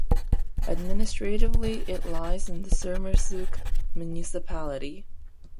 Administratively it lies in the Sermersooq Municipality.